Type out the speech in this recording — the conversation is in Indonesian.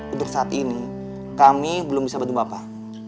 untuk saat ini kami belum bisa bantu bapak